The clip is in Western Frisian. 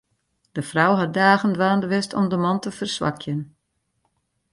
De frou hat dagen dwaande west om de man te ferswakjen.